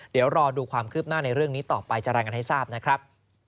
เดี๋ยวรอดูความคืบหน้าในเรื่องนี้ต่อไปจะรายงานให้ทราบนะครับ